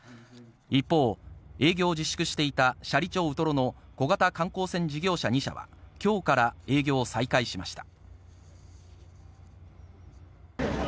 一方、営業を自粛していた斜里町ウトロの小型観光船事業者２社は今日から営業を再開しました。